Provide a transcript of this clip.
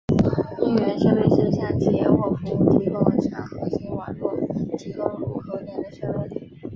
边缘设备是向企业或服务提供商核心网络提供入口点的设备。